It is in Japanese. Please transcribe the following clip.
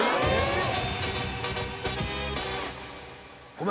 お前。